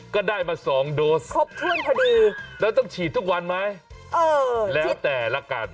ก็ได้มา๒โดสแล้วต้องฉีดทุกวันไหมแล้วแต่ละกัน